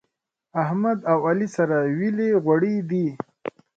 احمد او علي سره ويلي غوړي دي.